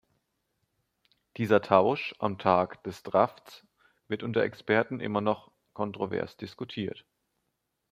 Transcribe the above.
Dieser Tausch am Tag des Drafts wird unter Experten immer noch kontrovers diskutiert.